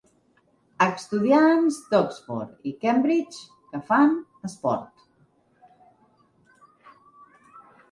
Estudiants d'Oxford i Cambridge que fan esport.